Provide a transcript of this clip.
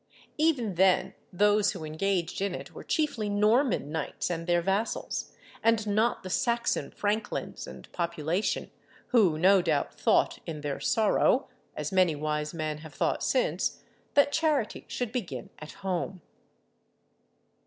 Even then those who engaged in it were chiefly Norman knights and their vassals, and not the Saxon franklins and population, who no doubt thought, in their sorrow, as many wise men have thought since, that charity should begin at home.